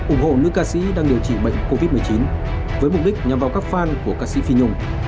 ủng hộ nữ ca sĩ đang điều trị bệnh covid một mươi chín với mục đích nhằm vào các fan của ca sĩ phi nhung